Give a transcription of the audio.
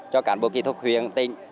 cho cản bộ kỹ thuật huyền tinh